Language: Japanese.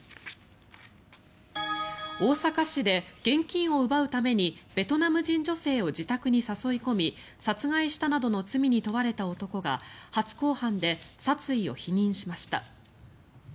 大阪市で現金を奪うためにベトナム人女性を自宅に誘い込み殺害したなどの罪に問われた男が初公判で殺意を否認しました。